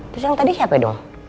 terus yang tadi siapa dong